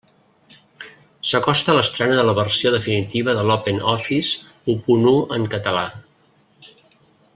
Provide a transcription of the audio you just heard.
S'acosta l'estrena de la versió definitiva de l'OpenOffice u punt u en català.